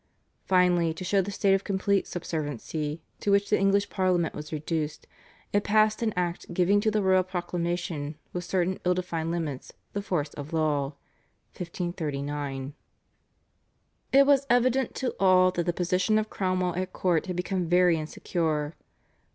Finally, to show the state of complete subserviency to which the English Parliament was reduced, it passed an Act giving to the royal proclamation with certain ill defined limits the force of law (1539). It was evident to all that the position of Cromwell at court had become very insecure.